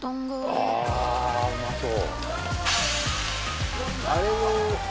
ああうまそう！